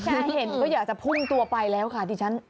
ที่เห็นก็อยากจะพุ่งตัวไปแล้วค่ะดิฉัน